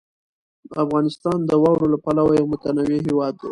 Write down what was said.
افغانستان د واورو له پلوه یو متنوع هېواد دی.